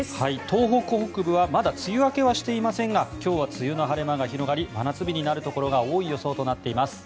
東北北部はまだ梅雨明けはしていませんが今日は梅雨の晴れ間が広がり真夏日になるところが多い予想となっています。